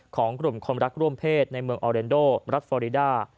ของกลุ่มคนรักร่วมเพศในเมืองออเรนโดรัฐฟอริดา